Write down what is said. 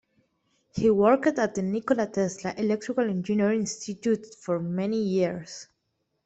He worked at the Nikola Tesla Electrical Engineering Institute for many years.